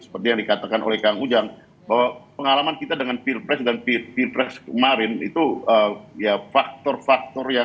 seperti yang dikatakan oleh kang ujang bahwa pengalaman kita dengan pilpres dan pilpres kemarin itu ya faktor faktornya